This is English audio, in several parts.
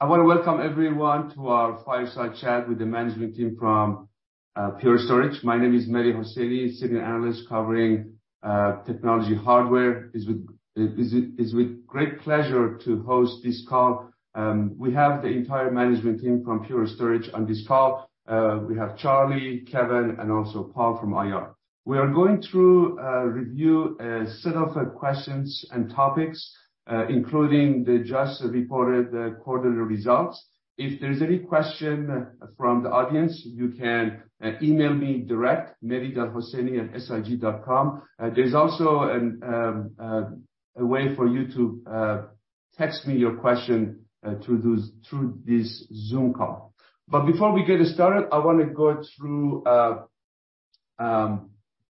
I want to welcome everyone to our fireside chat with the management team from Pure Storage. My name is Mehdi Hosseini, Senior Analyst covering technology hardware. Is with great pleasure to host this call. We have the entire management team from Pure Storage on this call. We have Charlie, Kevan, and also Paul from IR. We are going through a review, a set of questions and topics, including the just reported quarterly results. If there's any question from the audience, you can email me direct, mehdi.hosseini@sig.com. There's also an a way for you to text me your question through this Zoom call. Before we get started, I wanna go through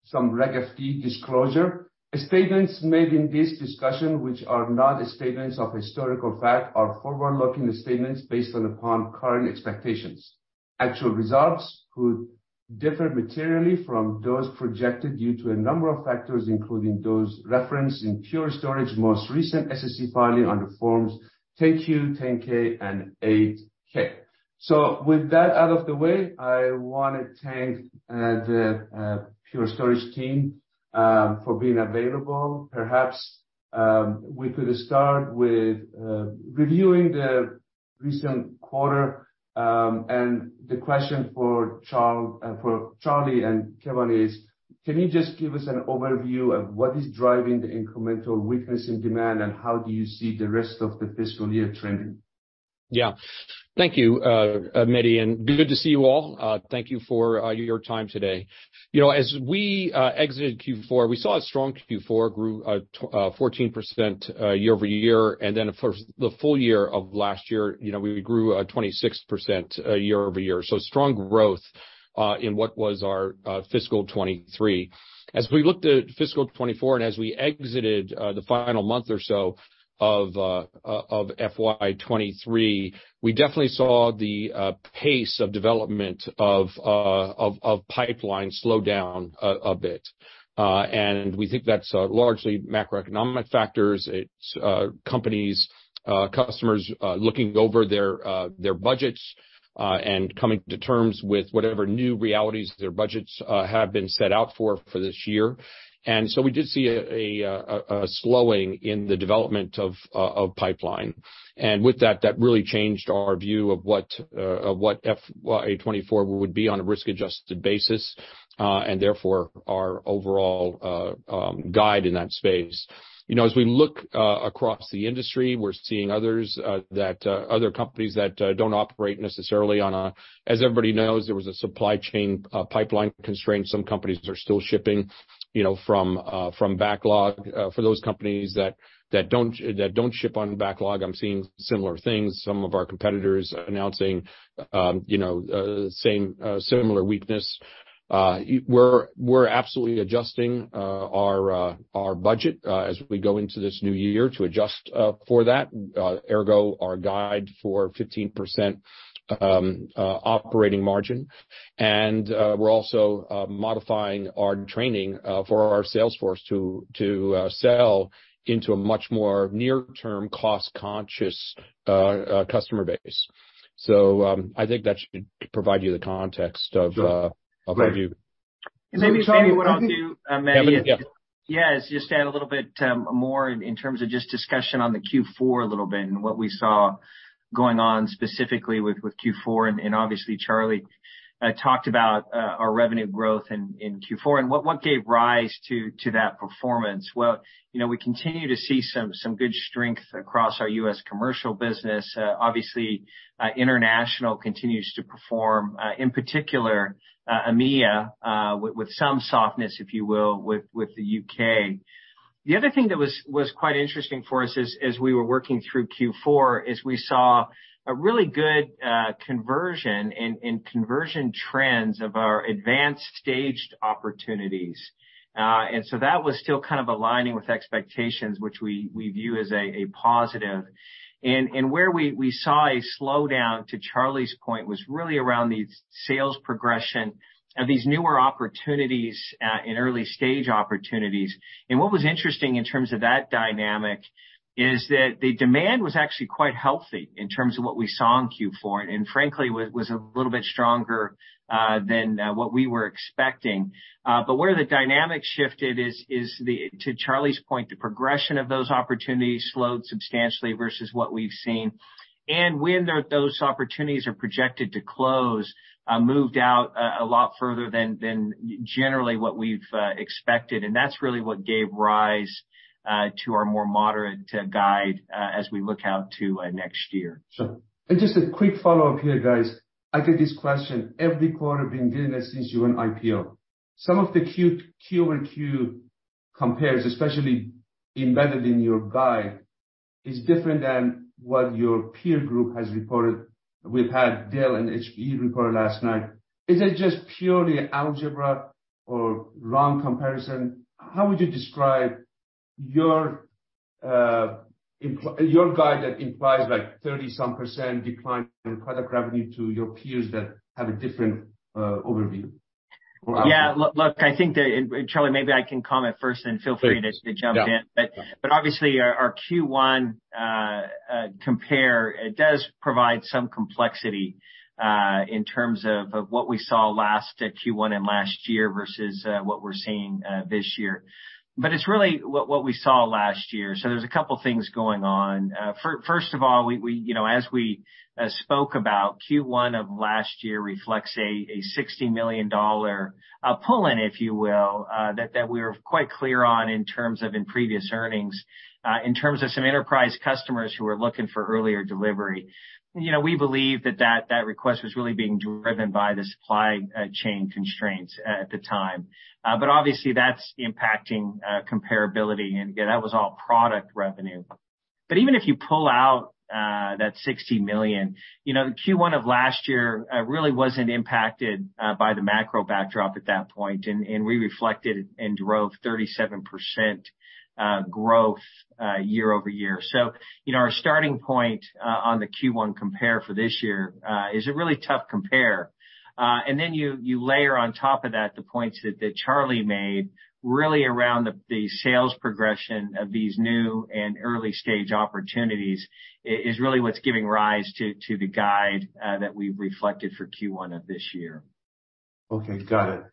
some Reg FD disclosure. Statements made in this discussion which are not statements of historical fact are forward-looking statements based on upon current expectations. Actual results could differ materially from those projected due to a number of factors, including those referenced in Pure Storage, most recent SEC filing on the Form 10-Q, 10-K and 8-K. With that out of the way, I wanna thank the Pure Storage team for being available. Perhaps we could start with reviewing the recent quarter. The question for Charlie and Kevan is, can you just give us an overview of what is driving the incremental weakness in demand, and how do you see the rest of the fiscal year trending? Yeah. Thank you, Mehdi, and good to see you all. Thank you for your time today. You know, as we exited Q4, we saw a strong Q4, grew 14% year-over-year. Then of course, the full year of last year, you know, we grew 26% year-over-year. Strong growth in what was our fiscal 2023. As we looked at fiscal 2024, and as we exited the final month or so of FY 2023, we definitely saw the pace of development of pipeline slow down a bit. We think that's largely macroeconomic factors. It's companies, customers looking over their budgets and coming to terms with whatever new realities their budgets have been set out for this year. We did see a slowing in the development of pipeline. With that really changed our view of what FY 2024 would be on a risk-adjusted basis and therefore our overall guide in that space. You know, as we look across the industry, we're seeing others that other companies that don't operate necessarily. As everybody knows, there was a supply chain pipeline constraint. Some companies are still shipping, you know, from backlog. For those companies that don't ship on backlog, I'm seeing similar things. Some of our competitors announcing, you know, same, similar weakness. We're absolutely adjusting our budget as we go into this new year to adjust for that, ergo our guide for 15% operating margin. We're also modifying our training for our sales force to sell into a much more near-term, cost-conscious customer base. I think that should provide you the context of our view. Sure. Great. Maybe what I'll do, Mehdi. Yeah. Yeah, is just add a little bit more in terms of just discussion on the Q4 a little bit and what we saw going on specifically with Q4. Obviously Charlie talked about our revenue growth in Q4 and what gave rise to that performance. Well, you know, we continue to see some good strength across our U.S. commercial business. Obviously, international continues to perform in particular EMEA with some softness, if you will, with the U.K. The other thing that was quite interesting for us as we were working through Q4 is we saw a really good conversion and conversion trends of our advanced staged opportunities. That was still kind of aligning with expectations which we view as a positive. Where we saw a slowdown, to Charlie's point, was really around these sales progression of these newer opportunities and early-stage opportunities. What was interesting in terms of that dynamic is that the demand was actually quite healthy in terms of what we saw in Q4, and frankly, was a little bit stronger than what we were expecting. Where the dynamic shifted is to Charlie's point, the progression of those opportunities slowed substantially versus what we've seen. When those opportunities are projected to close, moved out a lot further than generally what we've expected. That's really what gave rise to our more moderate guide as we look out to next year. Sure. Just a quick follow-up here, guys. I get this question every quarter, been getting it since you went IPO. Some of the Q-over-Q compares, especially embedded in your guide, is different than what your peer group has reported. We've had Dell and HPE report last night. Is it just purely algebra or wrong comparison? How would you describe your guide that implies like 30 some percent decline in product revenue to your peers that have a different overview? Yeah. Look, I think that... Charlie, maybe I can comment first, and feel free to jump in. Yeah. Obviously our Q1 compare, it does provide some complexity in terms of what we saw last Q1 and last year versus what we're seeing this year. It's really what we saw last year. There's a couple things going on. First of all, we, you know, as we spoke about Q1 of last year reflects a $60 million pull-in, if you will, that we were quite clear on in terms of in previous earnings, in terms of some enterprise customers who were looking for earlier delivery. You know, we believe that request was really being driven by the supply chain constraints at the time. Obviously that's impacting comparability. Again, that was all product revenue. Even if you pull out, that $60 million, you know, the Q1 of last year really wasn't impacted by the macro backdrop at that point, and we reflected and drove 37% growth year-over-year. You know, our starting point on the Q1 compare for this year is a really tough compare. Then you layer on top of that the points that Charlie made really around the sales progression of these new and early stage opportunities is really what's giving rise to the guide that we've reflected for Q1 of this year. Okay, got it.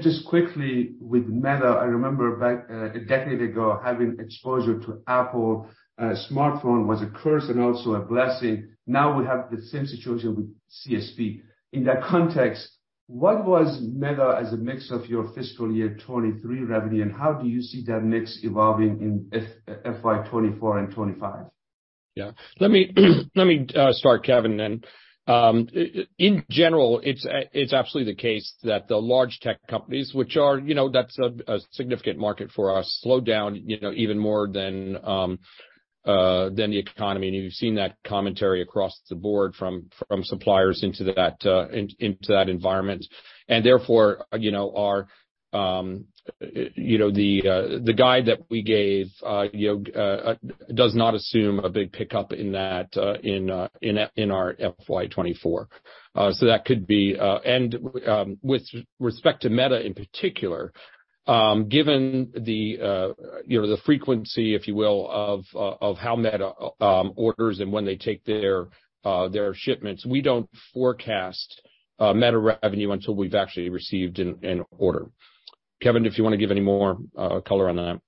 Just quickly with Meta, I remember back a decade ago, having exposure to Apple smartphone was a curse and also a blessing. Now we have the same situation with CSP. In that context, what was Meta as a mix of your fiscal year 2023 revenue, and how do you see that mix evolving in FY 2024 and 2025? Yeah. Let me start, Kevan, then. In general, it's absolutely the case that the large tech companies which are, you know, that's a significant market for us, slowed down, you know, even more than the economy. You've seen that commentary across the board from suppliers into that environment. Therefore, you know, our, you know, the guide that we gave, you know, does not assume a big pickup in that in FY 2024. So that could be. With respect to Meta in particular, given the, you know, the frequency, if you will, of how Meta orders and when they take their shipments, we don't forecast Meta revenue until we've actually received an order. Kevan, if you wanna give any more color on that.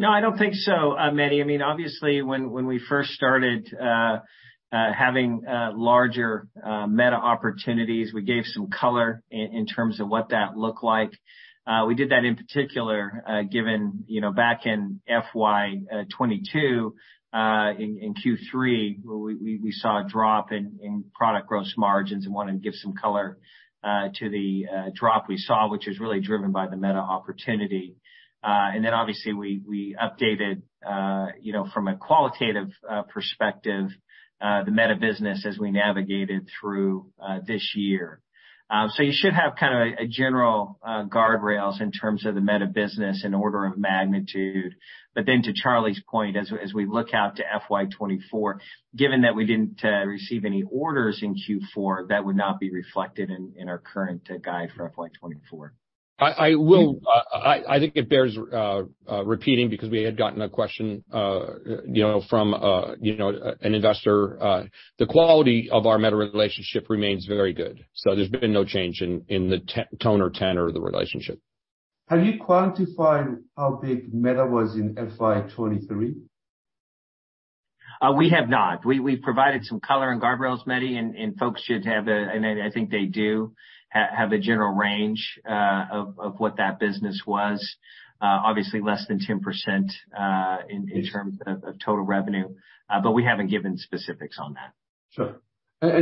No, I don't think so, Mehdi. I mean, obviously, when we first started having larger Meta opportunities, we gave some color in terms of what that looked like. We did that in particular, given, you know, back in FY 2022, in Q3, where we saw a drop in product gross margins and wanted to give some color to the drop we saw, which was really driven by the Meta opportunity. Obviously we updated, you know, from a qualitative perspective, the Meta business as we navigated through this year. You should have kind of a general guardrails in terms of the Meta business in order of magnitude. To Charlie's point, as we look out to FY 2024, given that we didn't receive any orders in Q4, that would not be reflected in our current guide for FY 2024. repeating because we had gotten a question, you know, from, you know, an investor. The quality of our Meta relationship remains very good, so there has been no change in the tone or tenor of the relationship Have you quantified how big Meta was in FY 2023? We have not. We've provided some color and guardrails, Mehdi, and folks should have a and I think they do, have a general range of what that business was, obviously less than 10%, in terms of total revenue. We haven't given specifics on that. Sure.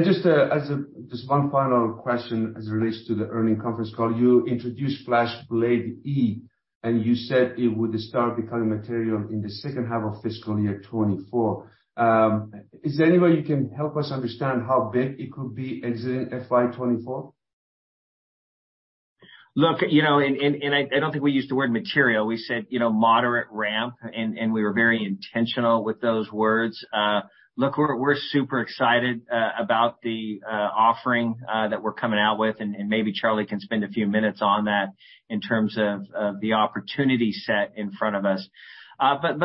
Just one final question as it relates to the earnings conference call. You introduced FlashBlade//E, and you said it would start becoming material in the second half of fiscal year 2024. Is there any way you can help us understand how big it could be exiting FY 2024? Look, you know, I don't think we used the word material. We said, you know, moderate ramp, and we were very intentional with those words. Look, we're super excited about the offering that we're coming out with, and maybe Charlie can spend a few minutes on that in terms of the opportunity set in front of us.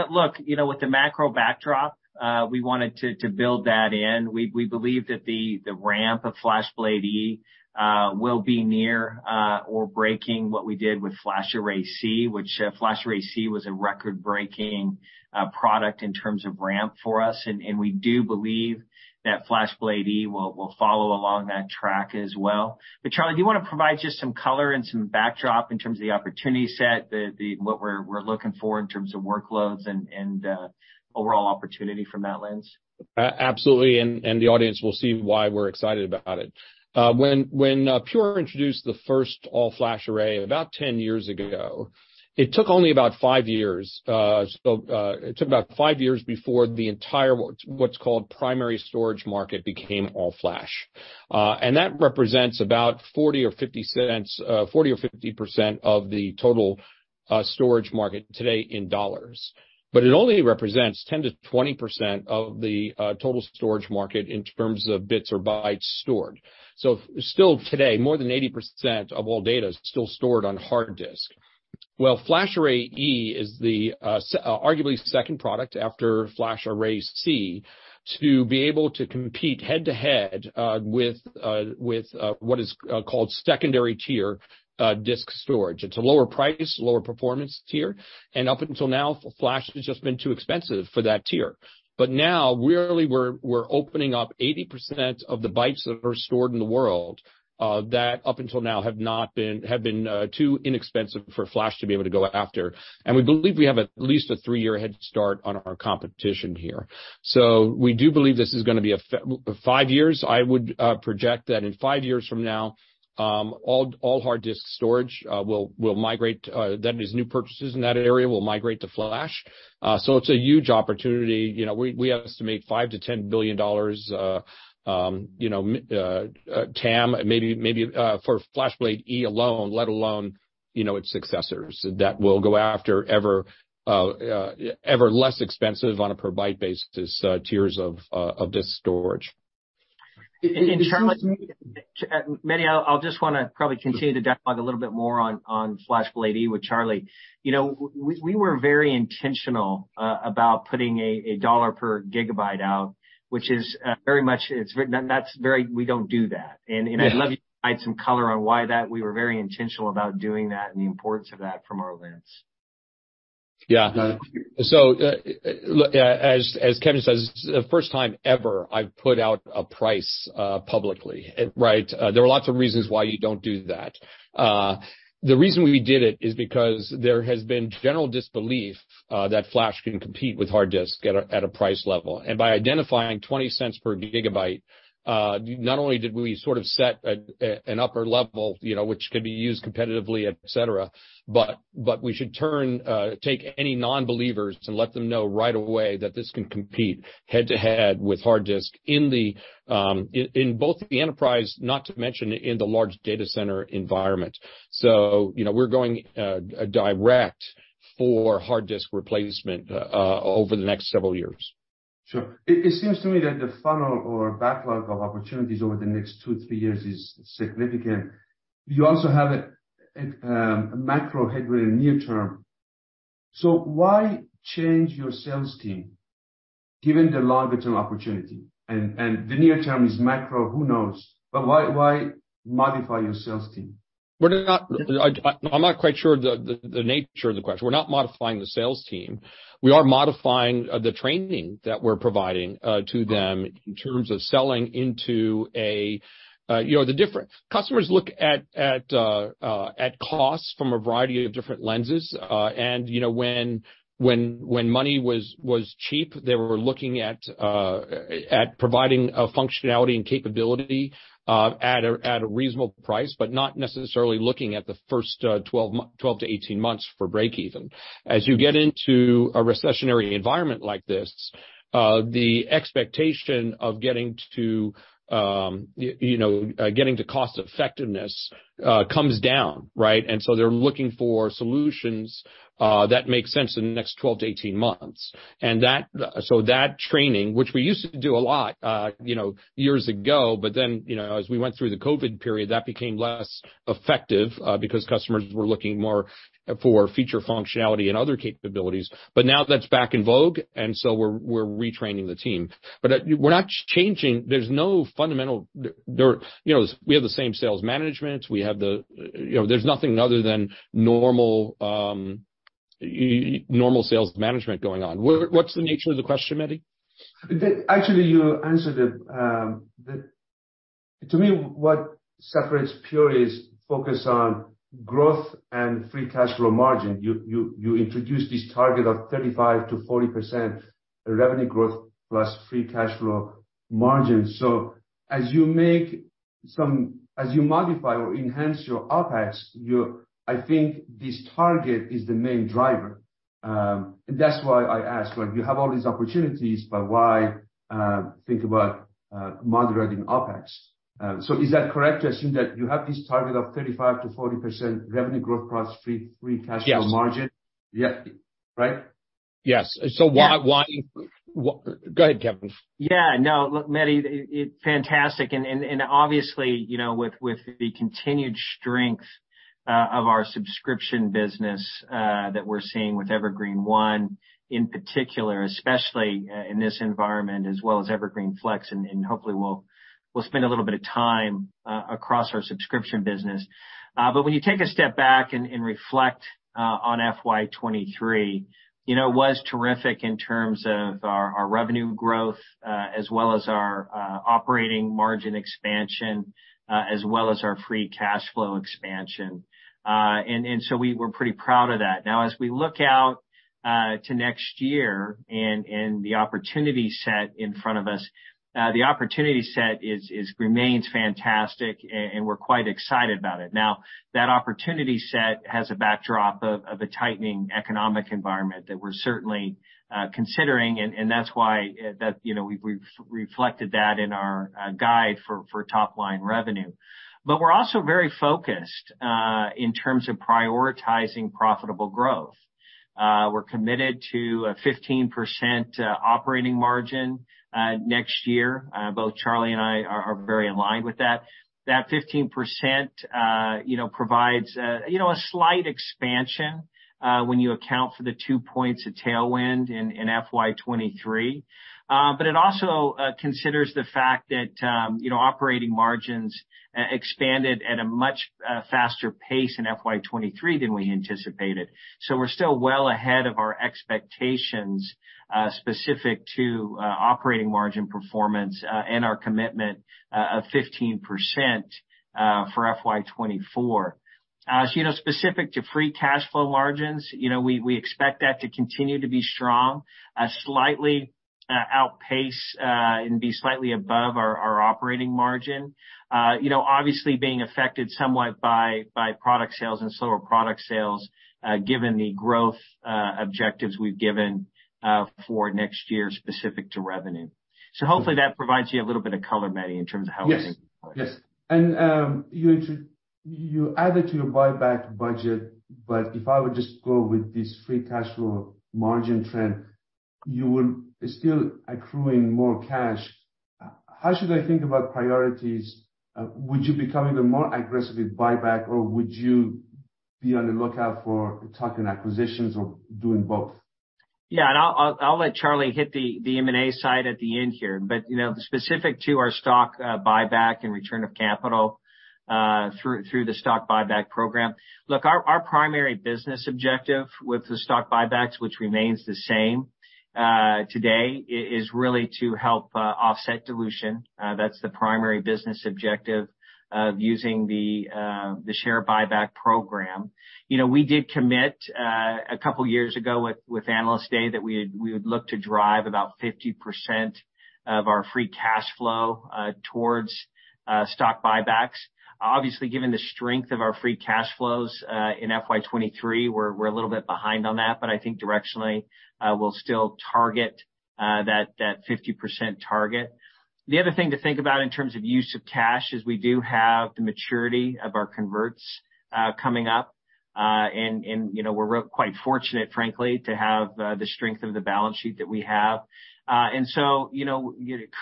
Look, you know, with the macro backdrop, we wanted to build that in. We believe that the ramp of FlashBlade//E will be near or breaking what we did with FlashArray//C, which FlashArray//C was a record-breaking product in terms of ramp for us. We do believe that FlashBlade//E will follow along that track as well. Charlie, do you wanna provide just some color and some backdrop in terms of the opportunity set, the what we're looking for in terms of workloads and overall opportunity from that lens? Absolutely, the audience will see why we're excited about it. When Pure introduced the first all-flash array about 10 years ago, it took only about 5 years. It took about 5 years before the entire what's called primary storage market became all-flash. That represents about 40 or 50 cents, 40% or 50% of the total storage market today in dollars. It only represents 10%-20% of the total storage market in terms of bits or bytes stored. Still today, more than 80% of all data is still stored on hard disk. Well, FlashArray//E is the arguably second product after FlashArray//C to be able to compete head to head with what is called secondary tier disk storage. It's a lower price, lower performance tier. Up until now, flash has just been too expensive for that tier. Now really we're opening up 80% of the bytes that are stored in the world, that up until now have been too inexpensive for flash to be able to go after. We believe we have at least a 3-year head start on our competition here. We do believe this is gonna be 5 years. I would project that in 5 years from now, all hard disk storage will migrate, that is, new purchases in that area will migrate to flash. It's a huge opportunity. You know, we estimate $5 billion-$10 billion, you know, TAM, maybe for FlashBlade//E alone, let alone, you know, its successors that will go after ever less expensive on a per byte basis, tiers of disk storage. In terms of Mehdi, I'll just wanna probably continue the dialogue a little bit more on FlashBlade//E with Charlie. You know, we were very intentional about putting a dollar per gigabyte out, which is very much... That's very, We don't do that. Yes. I'd love you to provide some color on why that we were very intentional about doing that and the importance of that from our lens. Yeah. Look, as Kevan says, the first time ever I've put out a price, publicly, right? There are lots of reasons why you don't do that. The reason we did it is because there has been general disbelief, that flash can compete with hard disk at a price level. By identifying $0.20 per GB, not only did we sort of set an upper level, you know, which could be used competitively, et cetera, but we should turn, take any non-believers and let them know right away that this can compete head to head with hard disk in both the enterprise, not to mention in the large data center environment. You know, we're going direct for hard disk replacement over the next several years. Sure. It seems to me that the funnel or backlog of opportunities over the next 2, 3 years is significant. You also have a macro headwind near term. Why change your sales team given the longer-term opportunity? The near term is macro. Who knows? Why modify your sales team? We're not. I'm not quite sure the nature of the question. We're not modifying the sales team. We are modifying the training that we're providing to them in terms of selling into a, you know, the different. Customers look at costs from a variety of different lenses. You know, when money was cheap, they were looking at providing functionality and capability at a reasonable price, but not necessarily looking at the first 12-18 months for breakeven. As you get into a recessionary environment like this, the expectation of getting to, you know, getting to cost effectiveness comes down, right? They're looking for solutions that make sense in the next 12-18 months. That training, which we used to do a lot, you know, years ago, then, you know, as we went through the COVID period, that became less effective, because customers were looking more for feature functionality and other capabilities. Now that's back in vogue, we're retraining the team. We're not changing. There's no fundamental. You know, we have the same sales management. We have the, you know, there's nothing other than normal sales management going on. What's the nature of the question, Mehdi? Actually, you answered it. To me, what separates Pure is focus on growth and free cash flow margin. You introduced this target of 35%-40% revenue growth plus free cash flow margin. As you modify or enhance your OpEx, I think this target is the main driver. That's why I ask, well, you have all these opportunities, but why think about moderating OpEx? Is that correct to assume that you have this target of 35%-40% revenue growth plus free cash flow margin? Yes. Yeah, right? Yes. Why? Yeah. Go ahead, Kevan. Yeah, no, look, Mehdi, fantastic. Obviously, you know, with the continued strength of our subscription business that we're seeing with Evergreen//One in particular, especially in this environment, as well as Evergreen//Flex, hopefully we'll spend a little bit of time across our subscription business. When you take a step back and reflect on FY 2023, you know, it was terrific in terms of our revenue growth, as well as our operating margin expansion, as well as our free cash flow expansion. We were pretty proud of that. Now, as we look out to next year and the opportunity set in front of us, the opportunity set remains fantastic, and we're quite excited about it. That opportunity set has a backdrop of a tightening economic environment that we're certainly considering, and that's why that, you know, we've reflected that in our guide for top line revenue. We're also very focused in terms of prioritizing profitable growth. We're committed to a 15% operating margin next year. Both Charlie and I are very aligned with that. That 15%, you know, provides, you know, a slight expansion when you account for the 2 points of tailwind in FY 2023. But it also considers the fact that, you know, operating margins expanded at a much faster pace in FY 2023 than we anticipated. We're still well ahead of our expectations, specific to operating margin performance, and our commitment of 15% for FY 2024. You know, specific to free cash flow margins, you know, we expect that to continue to be strong, outpace and be slightly above our operating margin. You know, obviously being affected somewhat by product sales and slower product sales, given the growth objectives we've given for next year specific to revenue. Hopefully that provides you a little bit of color, Mehdi, in terms of how we're thinking. Yes. Yes. You added to your buyback budget, but if I would just go with this free cash flow margin trend, you will still accruing more cash. How should I think about priorities? Would you become even more aggressive with buyback, or would you be on the lookout for tuck-in acquisitions or doing both? Yeah. I'll let Charlie hit the M&A side at the end here. You know, specific to our stock buyback and return of capital through the stock buyback program. Look, our primary business objective with the stock buybacks, which remains the same today, is really to help offset dilution. That's the primary business objective of using the share buyback program. You know, we did commit a couple years ago with Analyst Day that we would look to drive about 50% of our free cash flow towards stock buybacks. Obviously, given the strength of our free cash flows in FY 2023, we're a little bit behind on that, but I think directionally, we'll still target that 50% target. The other thing to think about in terms of use of cash is we do have the maturity of our converts coming up. You know, we're quite fortunate, frankly, to have the strength of the balance sheet that we have. You know,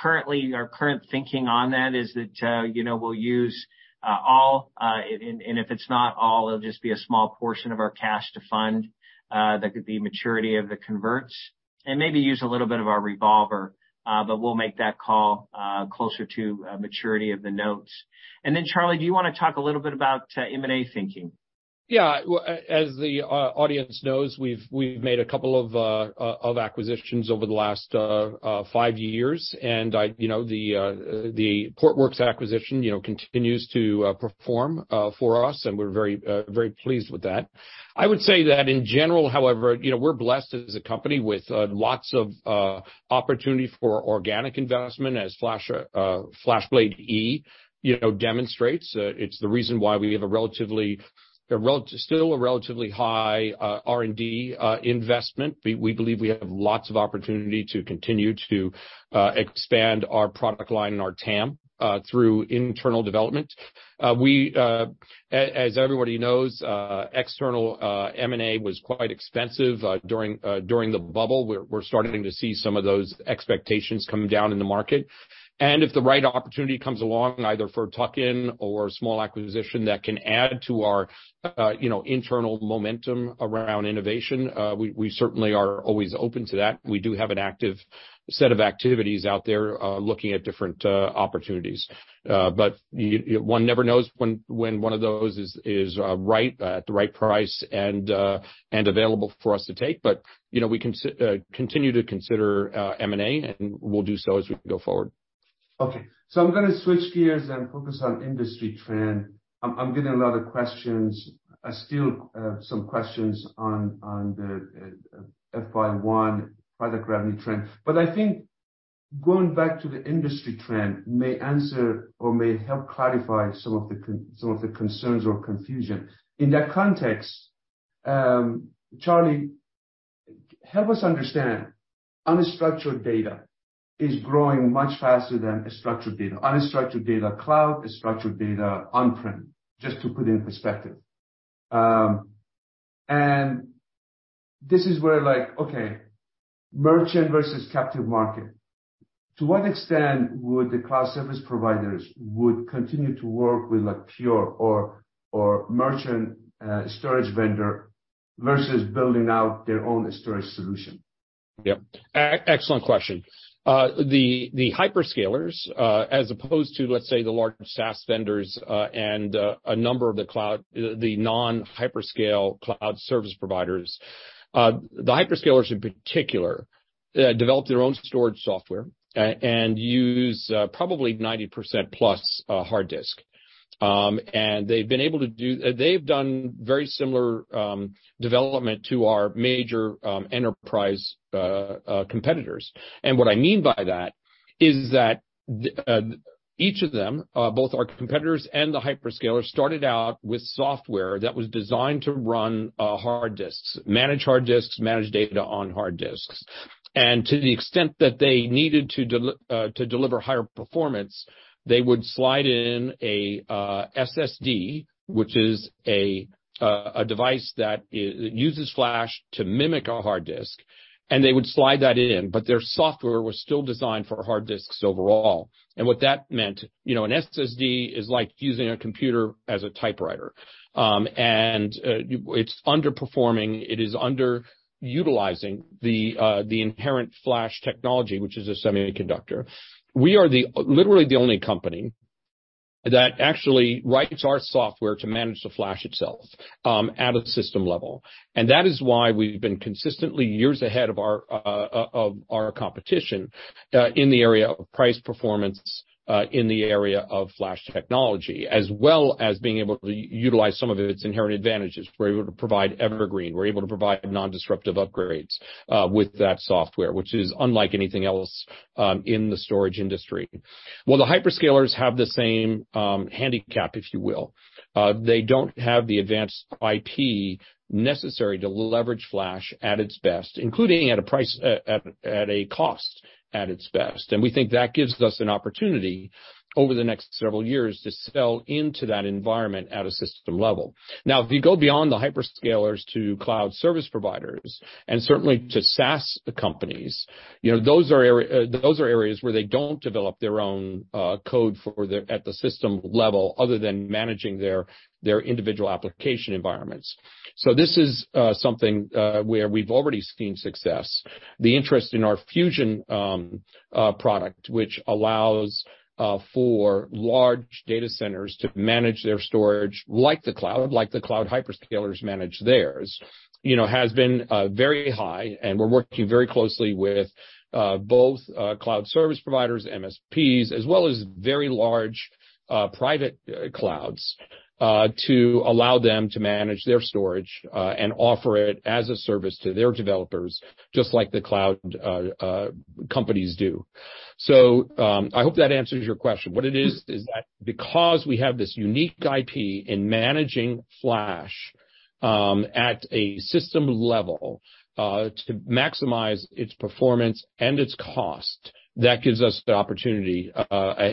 currently... our current thinking on that is that, you know, we'll use all, and if it's not all, it'll just be a small portion of our cash to fund that could be maturity of the converts and maybe use a little bit of our revolver, but we'll make that call closer to maturity of the notes. Charlie, do you wanna talk a little bit about M&A thinking? Yeah. Well, as the audience knows, we've made a couple of acquisitions over the last five years. I, you know, the Portworx acquisition, you know, continues to perform for us, and we're very pleased with that. I would say that in general, however, you know, we're blessed as a company with lots of opportunity for organic investment as FlashBlade//E, you know, demonstrates. It's the reason why we have still a relatively high R&D investment. We believe we have lots of opportunity to continue to expand our product line and our TAM through internal development. We as everybody knows, external M&A was quite expensive during the bubble. We're starting to see some of those expectations come down in the market. If the right opportunity comes along, either for tuck-in or a small acquisition that can add to our, you know, internal momentum around innovation, we certainly are always open to that. We do have an active set of activities out there, looking at different opportunities. One never knows when one of those is right at the right price and available for us to take. You know, we continue to consider M&A, and we'll do so as we go forward. Okay. I'm gonna switch gears and focus on industry trend. I'm getting a lot of questions. I still some questions on the FY product revenue trend. I think going back to the industry trend may answer or may help clarify some of the concerns or confusion. In that context, Charlie, help us understand. Unstructured data is growing much faster than structured data. Unstructured data, cloud is structured data on-prem, just to put in perspective. This is where like, okay, merchant versus captive market. To what extent would the cloud service providers would continue to work with a Pure or merchant storage vendor versus building out their own storage solution? Yep. Excellent question. The hyperscalers, as opposed to, let's say, the large SaaS vendors, and a number of the cloud, the non-hyperscale cloud service providers. The hyperscalers, in particular, developed their own storage software and use probably 90% plus hard disk. They've done very similar development to our major enterprise competitors. What I mean by that is that each of them, both our competitors and the hyperscalers, started out with software that was designed to run hard disks, manage hard disks, manage data on hard disks. To the extent that they needed to deliver higher performance, they would slide in a SSD, which is a device that uses Flash to mimic a hard disk, and they would slide that in, but their software was still designed for hard disks overall. What that meant, you know, an SSD is like using a computer as a typewriter. It's underperforming. It is underutilizing the inherent Flash technology, which is a semiconductor. We are the, literally the only company that actually writes our software to manage the Flash itself at a system level. That is why we've been consistently years ahead of our competition in the area of price performance, in the area of Flash technology, as well as being able to utilize some of its inherent advantages. We're able to provide Evergreen, we're able to provide non-disruptive upgrades with that software, which is unlike anything else in the storage industry. The hyperscalers have the same handicap, if you will. They don't have the advanced IP necessary to leverage flash at its best, including at a cost at its best. We think that gives us an opportunity over the next several years to sell into that environment at a system level. If you go beyond the hyperscalers to cloud service providers, and certainly to SaaS companies, you know, those are areas where they don't develop their own code for their at the system level other than managing their individual application environments. This is something where we've already seen success. The interest in our Fusion product, which allows for large data centers to manage their storage like the cloud, like the cloud hyperscalers manage theirs, you know, has been very high, and we're working very closely with both cloud service providers, MSPs, as well as very large private clouds to allow them to manage their storage and offer it as a service to their developers, just like the cloud companies do. I hope that answers your question. What it is that because we have this unique IP in managing Flash at a system level to maximize its performance and its cost, that gives us the opportunity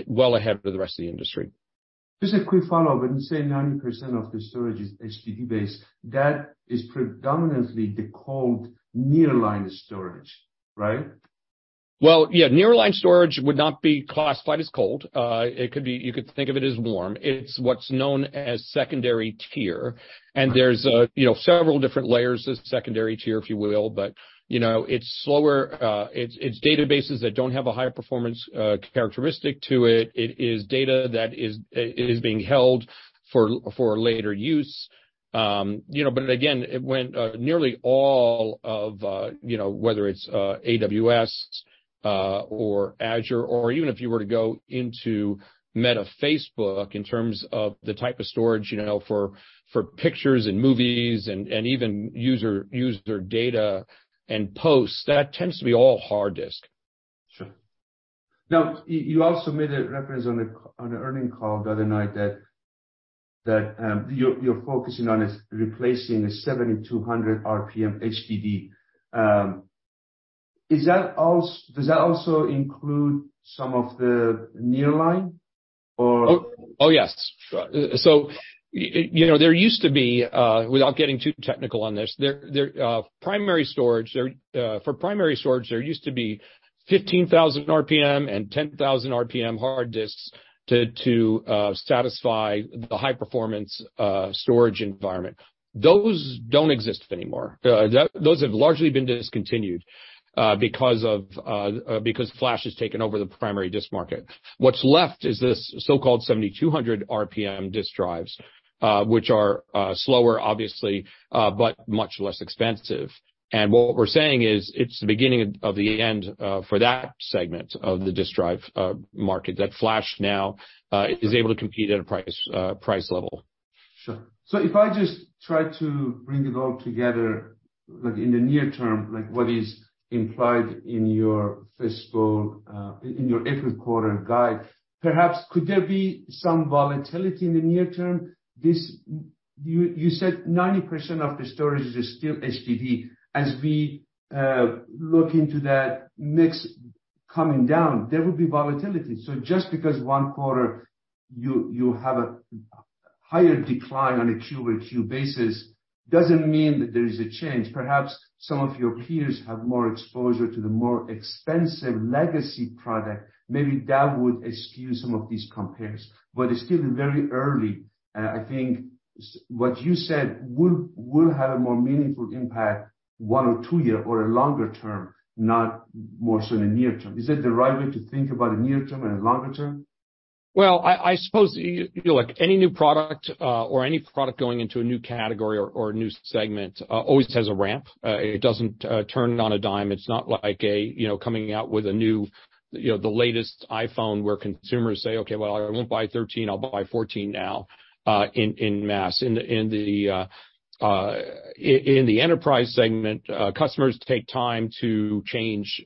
well ahead of the rest of the industry. Just a quick follow-up. When you say 90% of the storage is HDD based, that is predominantly the cold near line storage, right? Well, yeah. Near line storage would not be classified as cold. You could think of it as warm. It's what's known as secondary tier. There's, you know, several different layers of secondary tier, if you will. You know, it's slower. It's databases that don't have a high-performance characteristic to it. It is data that is being held for later use. You know, again, it went nearly all of, you know, whether it's AWS or Azure or even if you were to go into Meta Facebook in terms of the type of storage, you know, for pictures and movies and even user data and posts, that tends to be all hard disk. Sure. Now, you also made a reference on an earnings call the other night that, you're focusing on is replacing the 7,200 RPM HDD. Does that also include some of the near line or? Oh, oh, yes. Sure. You know, there used to be, without getting too technical on this, there primary storage, there for primary storage, there used to be 15,000 RPM and 10,000 RPM hard disks to satisfy the high-performance storage environment. Those don't exist anymore. Those have largely been discontinued, because of because flash has taken over the primary disk market. What's left is this so-called 7,200 RPM disk drives, which are slower obviously, but much less expensive. What we're saying is it's the beginning of the end for that segment of the disk drive market, that flash now is able to compete at a price level. Sure. If I just try to bring it all together, like in the near term, like what is implied in your fiscal, in your eighth quarter guide, perhaps could there be some volatility in the near term? You said 90% of the storage is still HDD. As we look into that mix coming down, there will be volatility. Just because one quarter you have a higher decline on a quarter-over-quarter basis doesn't mean that there is a change. Perhaps some of your peers have more exposure to the more expensive legacy product. Maybe that would skew some of these compares. It's still very early. I think what you said would have a more meaningful impact one or two year or a longer term, not more so in the near term. Is that the right way to think about the near term and longer term? Well, I suppose, you know, like any new product, or any product going into a new category or a new segment, always has a ramp. It doesn't turn on a dime. It's not like a, you know, coming out with a new, you know, the latest iPhone where consumers say, "Okay, well, I won't buy 13, I'll buy 14 now," in mass. In the enterprise segment, customers take time to change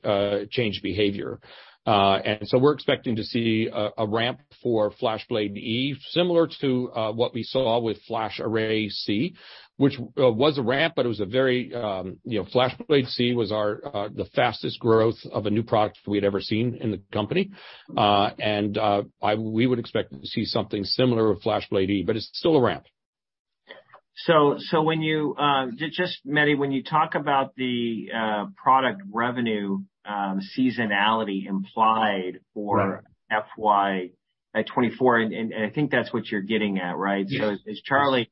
behavior. We're expecting to see a ramp for FlashBlade//E similar to what we saw with FlashArray//C, which was a ramp, but it was a very, you know, FlashArray//C was our the fastest growth of a new product we had ever seen in the company. We would expect to see something similar with FlashBlade//E, but it's still a ramp. When you, just Mehdi, when you talk about the product revenue, seasonality implied. Right. FY 2024, and I think that's what you're getting at, right? Yes. As Charlie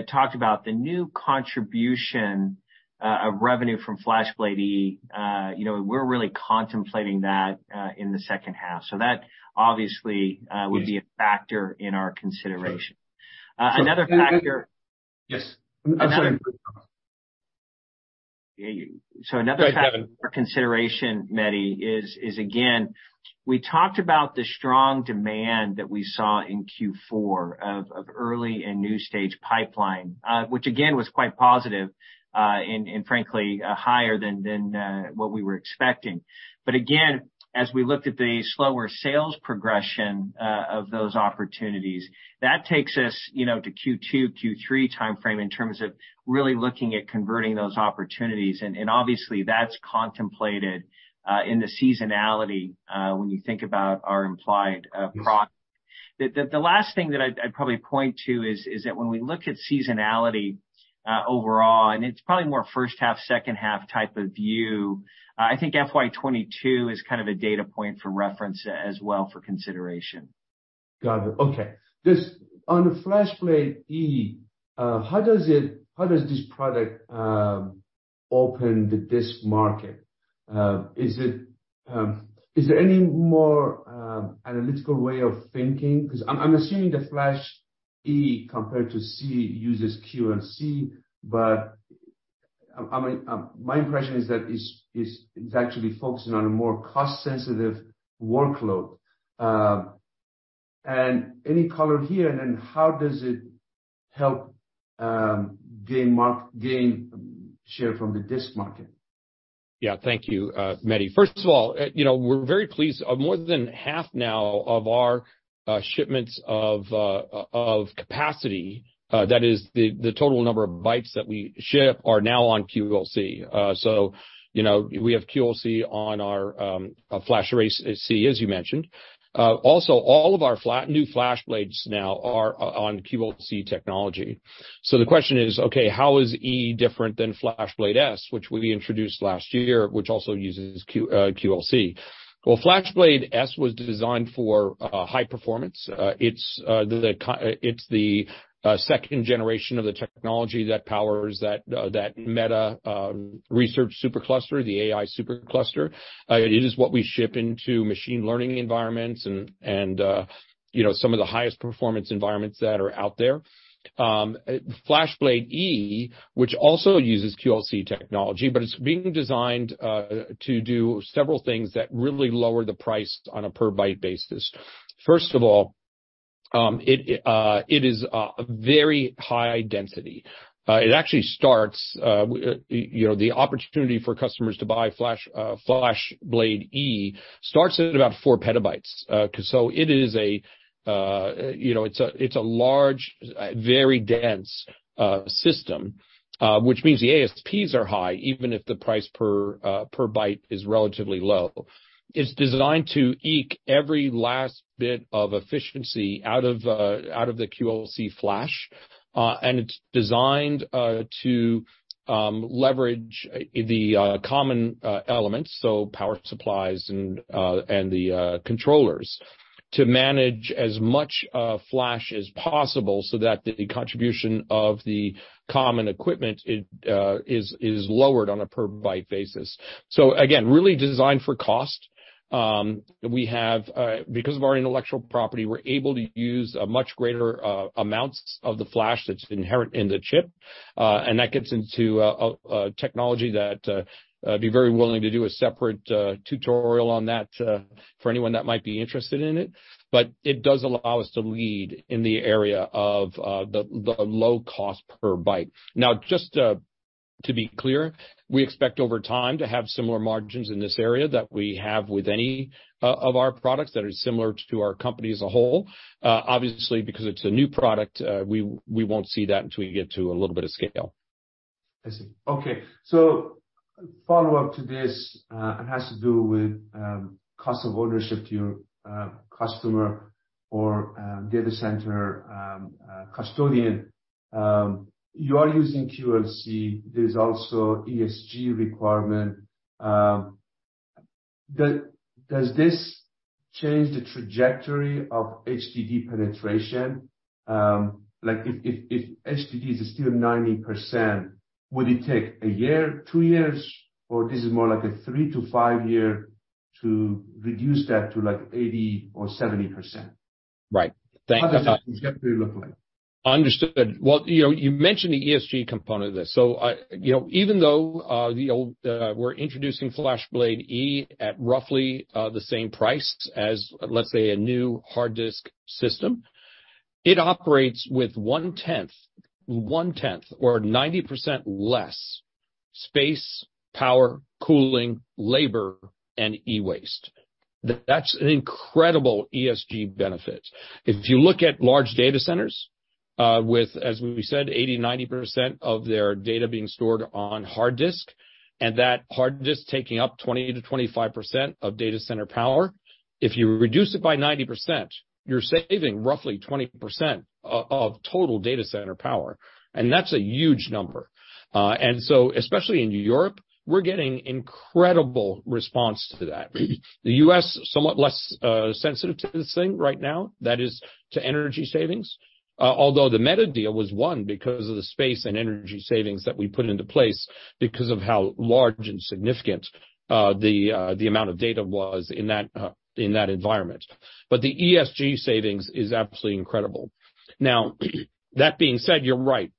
talked about, the new contribution of revenue from FlashBlade//E, you know, we're really contemplating that in the second half. That obviously would be a factor in our consideration. Another factor. Yes. I'm sorry. Yeah, another factor. Go ahead. ...for consideration, Mehdi, is again, we talked about the strong demand that we saw in Q4 of early and new stage pipeline, which again, was quite positive, and frankly, higher than what we were expecting. Again, as we looked at the slower sales progression of those opportunities, that takes us, you know, to Q2, Q3 timeframe in terms of really looking at converting those opportunities. Obviously that's contemplated in the seasonality when you think about our implied prod. The last thing that I'd probably point to is that when we look at seasonality overall, and it's probably more first half, second half type of view, I think FY 2022 is kind of a data point for reference as well for consideration. Got it. Okay. On FlashBlade//E, how does this product open the disk market? Is there any more analytical way of thinking? Because I'm assuming the FlashBlade//E compared to FlashArray//C uses QLC, but, I mean, my impression is that it's actually focusing on a more cost-sensitive workload. Any color here, how does it help gain share from the disk market? Yeah. Thank you, Mehdi. First of all, you know, we're very pleased. More than half now of our shipments of capacity, that is the total number of bytes that we ship are now on QLC. You know, we have QLC on our FlashArray//C, as you mentioned. Also all of our new FlashBlades now are on QLC technology. The question is, okay, how is E different than FlashBlade//S, which we introduced last year, which also uses QLC? Well, FlashBlade//S was designed for high performance. It's the second generation of the technology that powers that Meta research supercluster, the AI supercluster. It is what we ship into machine learning environments and, you know, some of the highest performance environments that are out there. FlashBlade//E, which also uses QLC technology. It's being designed to do several things that really lower the price on a per byte basis. First of all, it is very high density. It actually starts, you know, the opportunity for customers to buy FlashBlade//E starts at about 4 petabytes. 'Cause it is a, you know, it's a large, very dense, system, which means the ASPs are high, even if the price per byte is relatively low. It's designed to eke every last bit of efficiency out of out of the QLC Flash, and it's designed to leverage the common elements, so power supplies and the controllers to manage as much Flash as possible so that the contribution of the common equipment it is lowered on a per byte basis. Again, really designed for cost. We have because of our intellectual property, we're able to use a much greater amounts of the Flash that's inherent in the chip, and that gets into a technology that I'd be very willing to do a separate tutorial on that for anyone that might be interested in it. It does allow us to lead in the area of the low cost per byte. Now, just to be clear, we expect over time to have similar margins in this area that we have with any of our products that are similar to our company as a whole. Obviously, because it's a new product, we won't see that until we get to a little bit of scale. I see. Okay. Follow-up to this, it has to do with cost of ownership to your customer or data center custodian. You are using QLC. There's also ESG requirement. Does this change the trajectory of HDD penetration? Like if HDD is still 90%, would it take a year, 2 years, or this is more like a 3-5 year to reduce that to like 80% or 70%? Right. How does that trajectory look like? Understood. Well, you know, you mentioned the ESG component of this. I, you know, even though, you know, we're introducing FlashBlade//E at roughly the same price as, let's say, a new hard disk system, it operates with 1/10 or 90% less space, power, cooling, labor, and e-waste. That's an incredible ESG benefit. If you look at large data centers, with, as we said, 80%, 90% of their data being stored on hard disk, and that hard disk taking up 20%-25% of data center power, if you reduce it by 90%, you're saving roughly 20% of total data center power, and that's a huge number. And so, especially in Europe, we're getting incredible response to that. The US, somewhat less sensitive to this thing right now, that is to energy savings. Although the Meta deal was won because of the space and energy savings that we put into place because of how large and significant, the amount of data was in that environment. The ESG savings is absolutely incredible. That being said, you're right.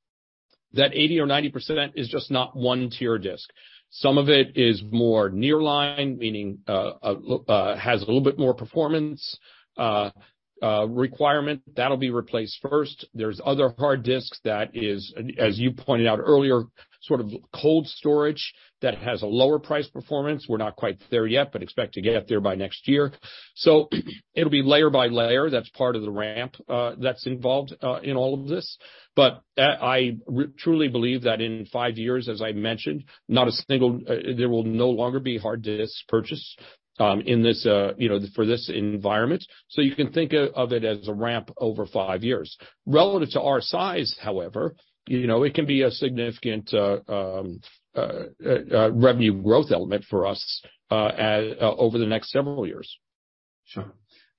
That 80% or 90% is just not one tier disk. Some of it is more nearline, meaning, has a little bit more performance requirement. That'll be replaced first. There's other hard disks that is, as you pointed out earlier, sort of cold storage that has a lower price performance. We're not quite there yet, but expect to get there by next year. It'll be layer by layer. That's part of the ramp that's involved in all of this. I truly believe that in 5 years, as I mentioned, not a single there will no longer be hard disks purchased in this, you know, for this environment. You can think of it as a ramp over 5 years. Relative to our size, however, you know, it can be a significant revenue growth element for us over the next several years. Sure.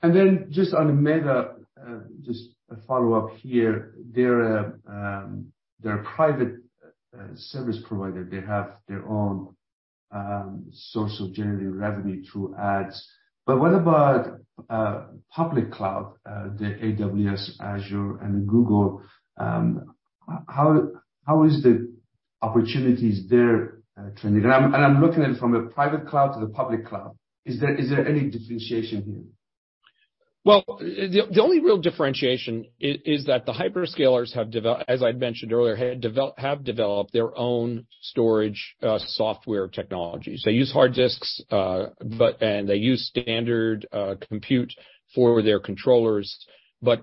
Then just on the Meta, just a follow-up here. They're a private service provider. They have their own source of generating revenue through ads. What about public cloud, the AWS, Azure, and Google? How is the opportunities there, trending? I'm looking at it from a private cloud to the public cloud. Is there any differentiation here? Well, the only real differentiation is that the hyperscalers as I'd mentioned earlier, have developed their own storage software technologies. They use hard disks, and they use standard compute for their controllers.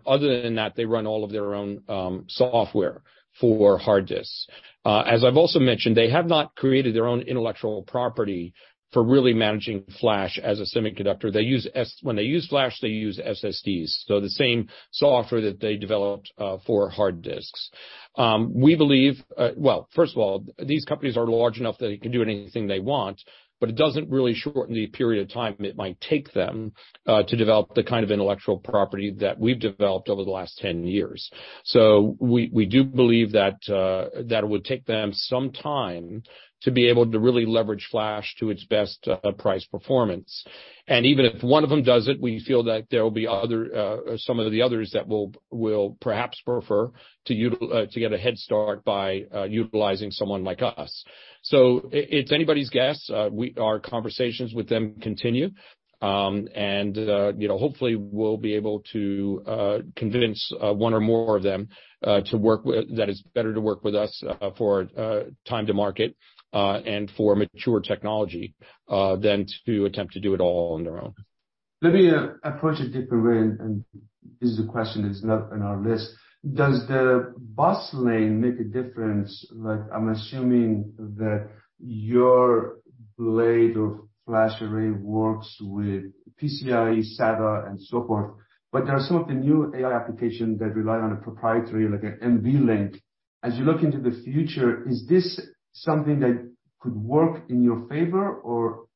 Other than that, they run all of their own software for hard disks. As I've also mentioned, they have not created their own intellectual property for really managing flash as a semiconductor. When they use flash, they use SSDs, so the same software that they developed for hard disks. We believe, well, first of all, these companies are large enough that they can do anything they want, but it doesn't really shorten the period of time it might take them to develop the kind of intellectual property that we've developed over the last 10 years. We do believe that it would take them some time to be able to really leverage flash to its best price performance. Even if one of them does it, we feel that there will be other, some of the others that will perhaps prefer to get a head start by utilizing someone like us. It's anybody's guess. Our conversations with them continue. You know, hopefully we'll be able to convince one or more of them that it's better to work with us for time to market and for mature technology than to attempt to do it all on their own. Let me approach it differently. This is a question that's not on our list. Does the bus lane make a difference? Like, I'm assuming that your blade or flash array works with PCIe, SATA, and so forth. There are some of the new AI applications that rely on a proprietary, like an NVLink. As you look into the future, is this something that could work in your favor or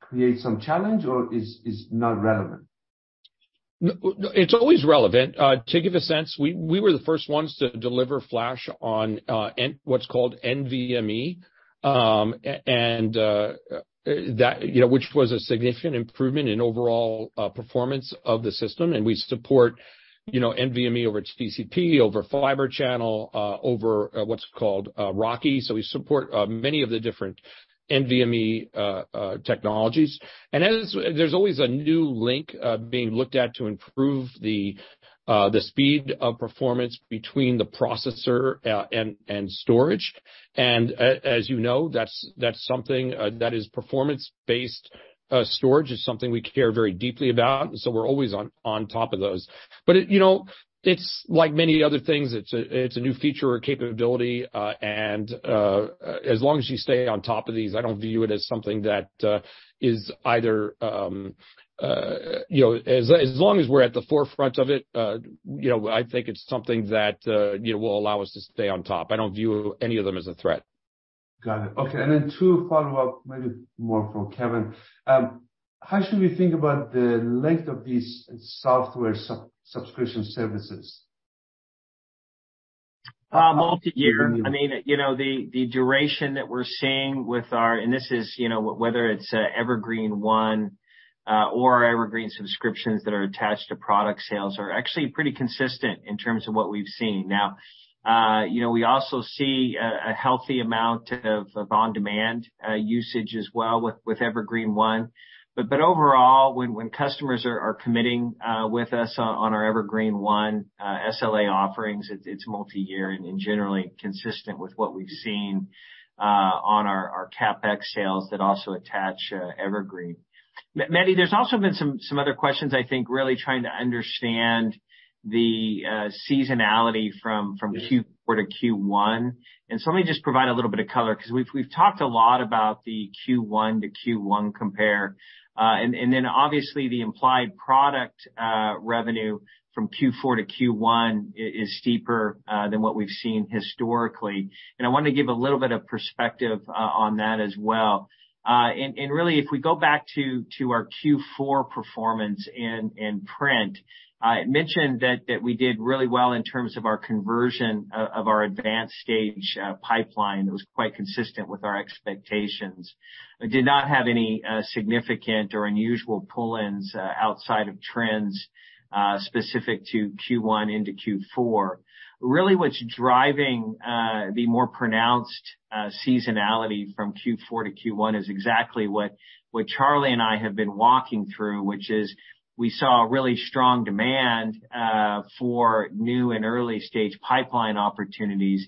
create some challenge or is not relevant? It's always relevant. To give a sense, we were the first ones to deliver flash on what's called NVMe, that, you know, which was a significant improvement in overall performance of the system. We support, you know, NVMe over TCP, over Fibre Channel, over what's called RoCE. We support many of the different NVMe technologies. There's always a new link being looked at to improve the speed of performance between the processor and storage. As you know, that's something that is performance-based, storage is something we care very deeply about, and so we're always on top of those. You know, it's like many other things. It's a new feature or capability. As long as you stay on top of these, I don't view it as something that is either, you know, as long as we're at the forefront of it, you know, I think it's something that, you know, will allow us to stay on top. I don't view any of them as a threat. Got it. Okay. Then 2 follow-up, maybe more from Kevan. How should we think about the length of these software sub-subscription services? Multi-year. I mean, you know, the duration that we're seeing with our. And this is, you know, whether it's Evergreen//One or Evergreen subscriptions that are attached to product sales are actually pretty consistent in terms of what we've seen. Now, you know, we also see a healthy amount of on-demand usage as well with Evergreen//One. But overall, when customers are committing with us on our Evergreen//One SLA offerings, it's multi-year and generally consistent with what we've seen on our CapEx sales that also attach Evergreen. Mehdi, there's also been some other questions, I think, really trying to understand the seasonality from Q4 to Q1. Let me just provide a little bit of color because we've talked a lot about the Q1 to Q1 compare, and then obviously the implied product revenue from Q4 to Q1 is steeper than what we've seen historically. I wanna give a little bit of perspective on that as well. Really, if we go back to our Q4 performance in print, I mentioned that we did really well in terms of our conversion of our advanced stage pipeline. It was quite consistent with our expectations. We did not have any significant or unusual pull-ins outside of trends specific to Q1 into Q4. Really what's driving the more pronounced seasonality from Q4 to Q1 is exactly what Charlie and I have been walking through, which is we saw a really strong demand for new and early stage pipeline opportunities.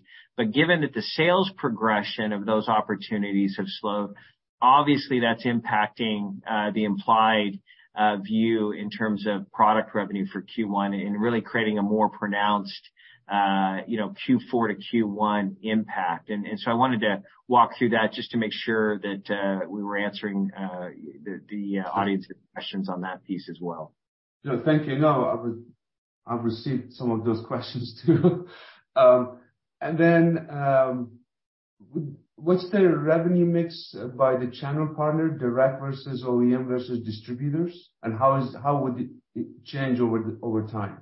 Given that the sales progression of those opportunities have slowed, obviously that's impacting the implied view in terms of product revenue for Q1 and really creating a more pronounced, you know, Q4 to Q1 impact. I wanted to walk through that just to make sure that we were answering the audience's questions on that piece as well. No, thank you. No, I've received some of those questions too. What's the revenue mix by the channel partner, direct versus OEM versus distributors? How would it change over time?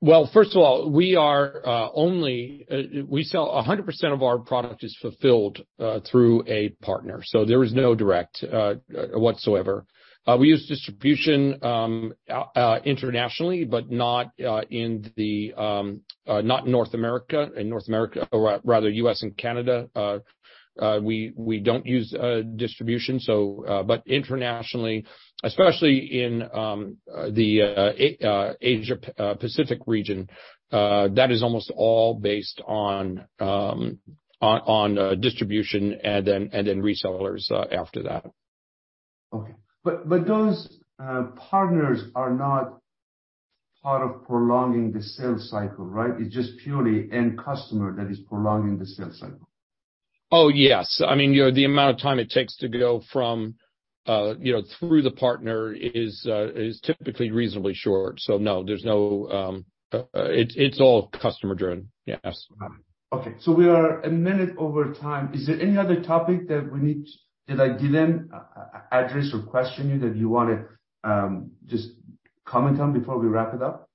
Well, first of all, we are only, we sell 100% of our product is fulfilled through a partner, so there is no direct whatsoever. We use distribution internationally, but not in North America. In North America or rather U.S. and Canada, we don't use distribution. But internationally, especially in the Asia Pacific region, that is almost all based on distribution and then resellers after that. Okay. Those partners are not part of prolonging the sales cycle, right? It's just purely end customer that is prolonging the sales cycle. Oh, yes. I mean, you know, the amount of time it takes to go from, you know, through the partner is typically reasonably short. No, there's no, it's all customer driven. Yes. Okay. We are a minute over time. Is there any other topic that we need. Did I didn't address or question you that you wanna just comment on before we wrap it up?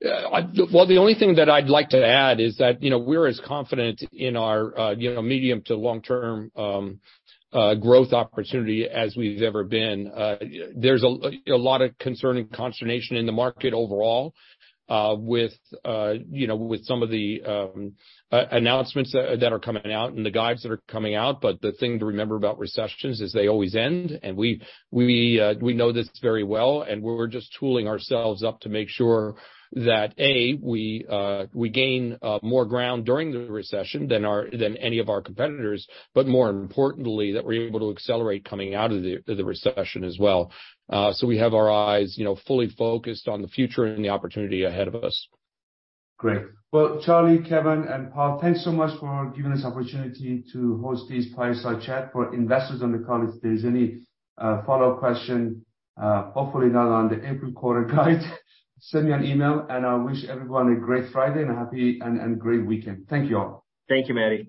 Yeah, well, the only thing that I'd like to add is that, you know, we're as confident in our, you know, medium to long-term growth opportunity as we've ever been. There's a lot of concern and consternation in the market overall, with, you know, with some of the announcements that are coming out and the guides that are coming out. The thing to remember about recessions is they always end, and we know this very well, and we're just tooling ourselves up to make sure that, A, we gain more ground during the recession than any of our competitors, but more importantly, that we're able to accelerate coming out of the recession as well. We have our eyes, you know, fully focused on the future and the opportunity ahead of us. Great. Well, Charlie, Kevan, and Paul, thanks so much for giving us opportunity to host this fireside chat. For investors on the call, if there's any follow-up question, hopefully not on the April quarter guide, send me an email. I wish everyone a great Friday and a happy and great weekend. Thank you all. Thank you, Mehdi.